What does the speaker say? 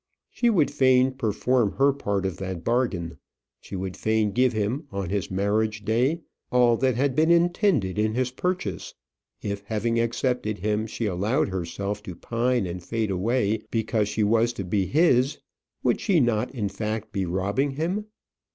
She would fain perform her part of that bargain. She would fain give him on his marriage day all that had been intended in his purchase. If, having accepted him, she allowed herself to pine and fade away because she was to be his, would she not in fact be robbing him?